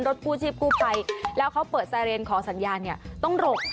รถกู้ชิพกู้ไฟแล้วเค้าเปิดเซอเรนขอสัญญาต้องหลบ